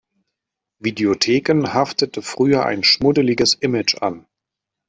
Videotheken haftete früher ein schmuddeliges Image an.